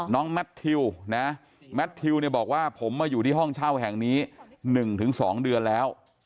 แมททิวนะแมททิวเนี่ยบอกว่าผมมาอยู่ที่ห้องเช่าแห่งนี้๑๒เดือนแล้ว